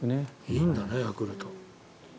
いいんだね、ヤクルト。